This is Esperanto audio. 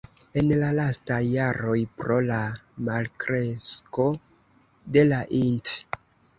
En la lastaj jaroj pro la malkresko de la int.